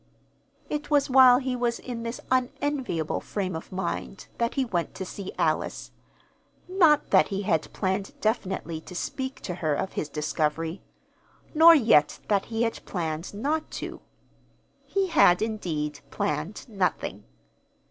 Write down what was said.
It was while he was in this unenviable frame of mind that he went to see Alice. Not that he had planned definitely to speak to her of his discovery, nor yet that he had planned not to. He had, indeed, planned nothing.